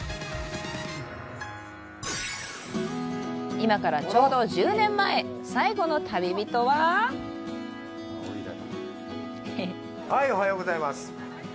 今からちょうど１０年前最後の旅人ははいおはようございます